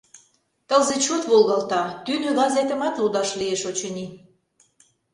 Тылзе чот волгалта, тӱнӧ газетымат лудаш лиеш, очыни.